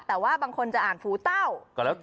แต่ว่าบางคนจะอ่านฟูเต้า